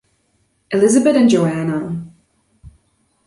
Elisabet and Joana.